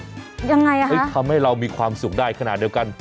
ยังไงอ่ะเฮ้ยทำให้เรามีความสุขได้ขณะเดียวกัน